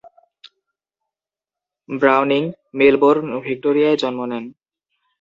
Browning Melbourne, ভিক্টোরিয়ায় জন্ম নেন।